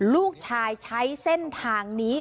ลูกชายใช้เส้นทางนี้